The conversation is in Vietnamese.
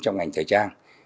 trong ngành thời trang